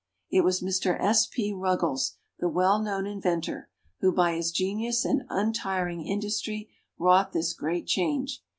It was Mr. S. P. Ruggles, the well known inventor, who, by his genius and untiring industry, wrought this great change.